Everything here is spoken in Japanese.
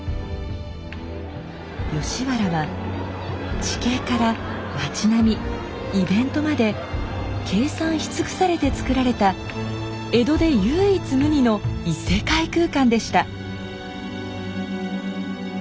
吉原は地形から町並みイベントまで計算し尽くされてつくられた江戸で唯一無二の異世界空間でした。